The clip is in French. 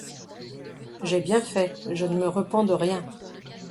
J’ai bien fait, je ne me repens de rien.